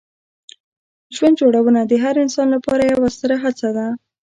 ژوند جوړونه د هر انسان لپاره یوه ستره هڅه ده.